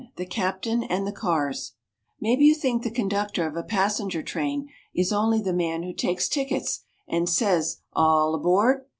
THE CAPTAIN AND THE CARS Maybe you think the conductor of a passenger train is only the man who takes tickets and says "All Aboard."